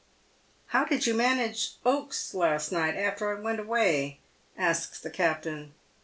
How did you manage Oaks last night, after I went away," asks the captain.